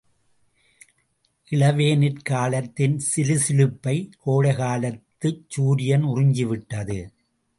இளவேனிற் காலத்தின் சிலுசிலுப்பைக் கோடைகாலத்துச் சூரியன் உறிஞ்சிவிட்டது.